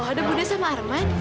kok ada bu deh sama arman